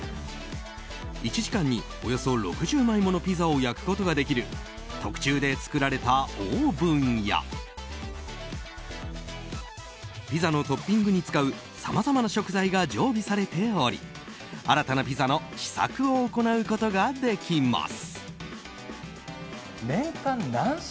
１時間におよそ６０枚ものピザを焼くことができる特注で作られたオーブンやピザのトッピングに使うさまざまな食材が常備されており新たなピザの試作を行うことができます。